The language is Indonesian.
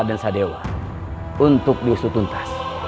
jaga dewa batara